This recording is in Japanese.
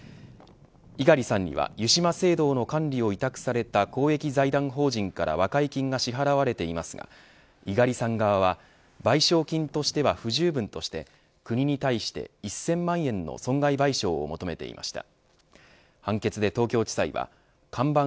猪狩さんには湯島聖堂の管理を委託された公益財団法人から和解金が支払われていますが猪狩さん側は賠償金としては不十分として国に対して１０００万円の損害賠償を求めていました。